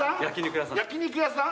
焼肉屋さん